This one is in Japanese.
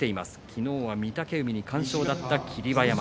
昨日は御嶽海に完勝だった霧馬山。